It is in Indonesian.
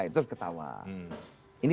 terus ketawa ini